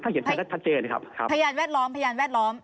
ทะเจนครับพยานแวดล้อม